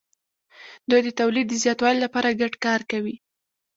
دوی د تولید د زیاتوالي لپاره ګډ کار کوي.